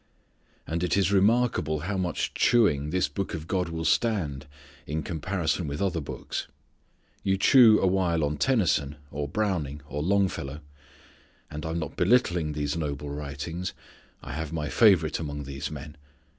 And it is remarkable how much chewing this Book of God will stand, in comparison with other books. You chew a while on Tennyson, or Browning, or Longfellow. And I am not belittling these noble writings. I have my own favourite among these men.